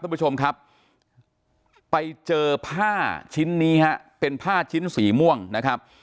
คุณผู้ชมครับไปเจอผ้าชิ้นนี้ฮะเป็นผ้าชิ้นสีม่วงนะครับ